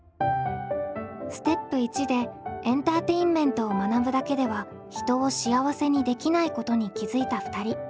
ステップ１でエンターテインメントを学ぶだけでは人を幸せにできないことに気付いた２人。